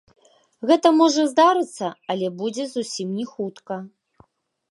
Гэта можа здарыцца, але будзе зусім не хутка.